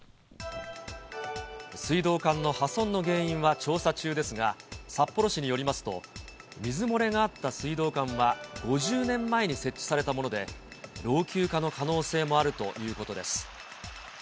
水道管の破損の原因は調査中ですが、札幌市によりますと、水漏れがあった水道管は、５０年前に設置されたもので、老朽化の可能性もあるということです。